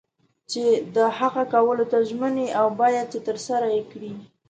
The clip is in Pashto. چې د هغه کولو ته ژمن یې او باید چې ترسره یې کړې.